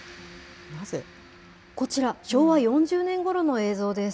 こちら、昭和４０年ごろの映像です。